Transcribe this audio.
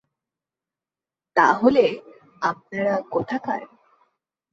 তাহলে, আপনারা কোথাকার?